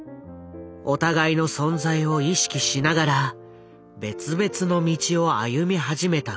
お互いの存在を意識しながら別々の道を歩み始めた二人。